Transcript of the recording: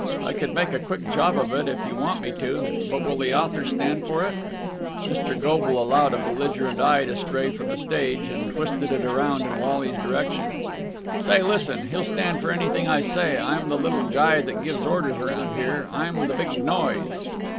I could make a quick job of it, if you want me to. But will the author stand for it?" Mr. Goble allowed a belligerent eye to stray from the stage, and twisted it round in Wally's direction. "Say, listen! He'll stand for anything I say. I'm the little guy that gives orders round here. I'm the big noise!"